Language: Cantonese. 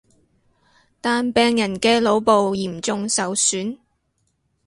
但病人嘅腦部嚴重受損